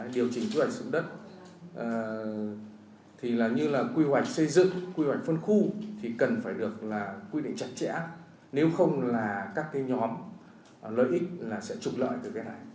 điều chỉnh quy hoạch sử dụng đất thì như là quy hoạch xây dựng quy hoạch phân khu thì cần phải được quy định chặt chẽ nếu không là các nhóm lợi ích sẽ trụng lợi từ cái này